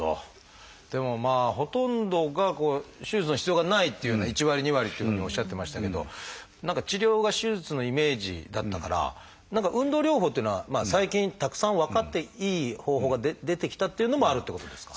でもほとんどが手術の必要がないっていうふうな１割２割っていうふうにおっしゃってましたけど何か治療が手術のイメージだったから何か運動療法っていうのは最近たくさん分かっていい方法が出てきたっていうのもあるっていうことですか？